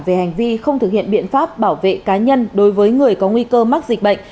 về hành vi không thực hiện biện pháp bảo vệ cá nhân đối với người có nguy cơ mắc dịch bệnh